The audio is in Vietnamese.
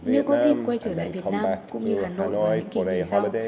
nếu có dịp quay trở lại việt nam cũng như hà nội vào những kỷ niệm sau